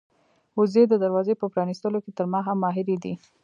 وزې د دروازې په پرانيستلو کې تر ما هم ماهرې دي.